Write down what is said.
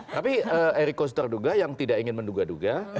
tapi eriko sudah duga yang tidak ingin menduga duga